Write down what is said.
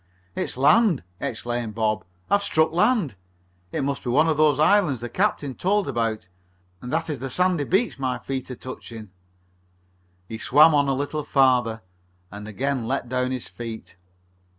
"It's land!" exclaimed Bob. "I've struck land! It must be one of those islands the captain told about and that is the sandy beach my feet are touching." He swam on a little further, and again let down his feet.